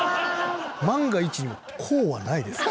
万が一にもこうはないですか？